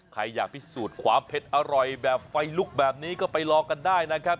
ใครอยากพิสูจน์ความเผ็ดอร่อยแบบไฟลุกแบบนี้ก็ไปรอกันได้นะครับ